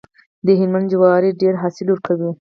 د هلمند جوار ډیر حاصل ورکوي.